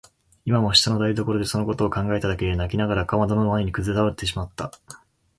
今も下の台所でそのことを考えただけで泣きながらかまどの前にくずおれてしまった。